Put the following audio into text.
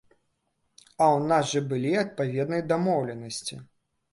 А ў нас жа былі адпаведныя дамоўленасці!